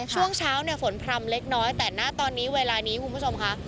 ช่วงเช้าเนี่ยฝนพร่ำเล็กน้อยแต่ณตอนนี้เวลานี้คุณผู้ชมค่ะ